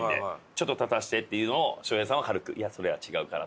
ちょっと立たせてっていうのを翔平さんは軽く「いやそれは違うから」